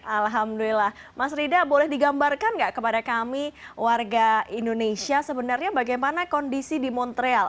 alhamdulillah mas rida boleh digambarkan nggak kepada kami warga indonesia sebenarnya bagaimana kondisi di montreal